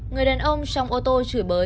người đàn ông trong ô tô chửi bới